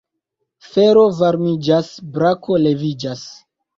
Fero varmiĝas, Brako leviĝas.